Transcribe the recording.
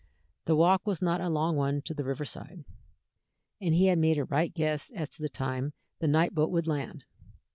The walk was not a long one to the river side, and he had made a right guess as to the time the night boat would land.